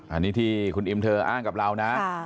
อันนี้ที่คุณอิมเธออ้างกับเรานะ